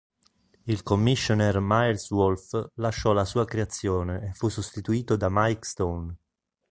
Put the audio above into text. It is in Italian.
Il commissioner Miles Wolff lasciò la sua creazione e fu sostituito da Mike Stone.